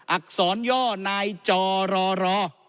อักษรย่อนายจอรอ